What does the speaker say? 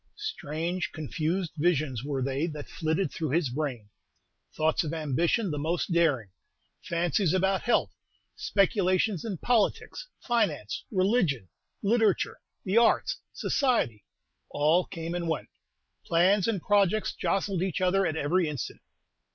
Strange, confused visions were they that flitted through his brain. Thoughts of ambition the most daring, fancies about health, speculations in politics, finance, religion, literature, the arts, society, all came and went. Plans and projects jostled each other at every instant.